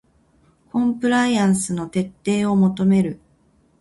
コンプライアンスの徹底を求める